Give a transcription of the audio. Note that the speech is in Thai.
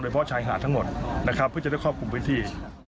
เพราะชายหาดทั้งหมดนะครับเพื่อจะได้ครอบคลุมพื้นที่